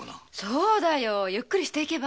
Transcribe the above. そうよゆっくりしていけば？